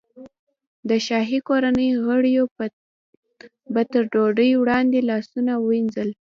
د شاهي کورنۍ غړیو به تر ډوډۍ وړاندې لاسونه وینځل.